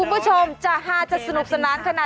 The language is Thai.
คุณติเล่าเรื่องนี้ให้ฮะ